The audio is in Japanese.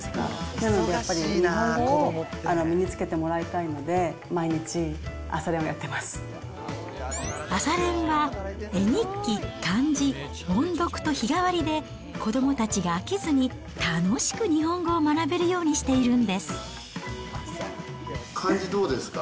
なので、やっぱり日本語を身につけてもらいたいので、毎日朝練をやってま朝練は絵日記、漢字、音読と日替わりで、子どもたちが飽きずに楽しく日本語を学べるようにしているんです漢字、どうですか？